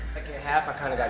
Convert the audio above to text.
setelah menang saya agak penat